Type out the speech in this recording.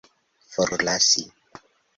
forlasi